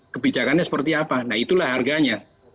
kebijakannya seperti apa nah itulah harganya